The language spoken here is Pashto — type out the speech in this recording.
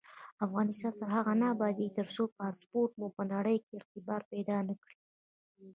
افغانستان تر هغو نه ابادیږي، ترڅو پاسپورت مو په نړۍ کې اعتبار پیدا نکړي.